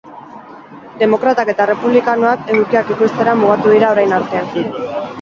Demokratak eta errepublikanoak edukiak ekoiztera mugatu dira orain arte.